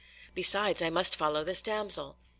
Besides, I must follow this damsel."